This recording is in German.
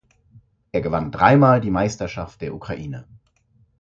Er gewann dreimal die Meisterschaft der Ukraine.